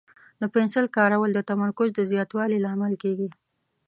د پنسل کارول د تمرکز د زیاتوالي لامل کېږي.